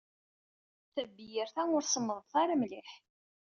Tabyirt-a ur semmeḍ-t ara mliḥ.